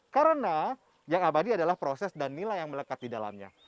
karena yang abadi adalah proses dan nilai yang melekat di dalamnya